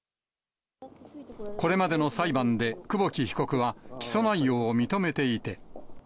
これまでの裁判で久保木被告は起訴内容を認めていて。